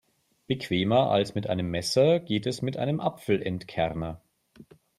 Bequemer als mit einem Messer geht es mit einem Apfelentkerner.